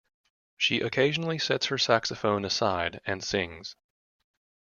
She occasionally sets her saxophone aside and sings.